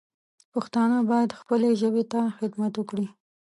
پښتانه باید خپلې ژبې ته خدمت وکړي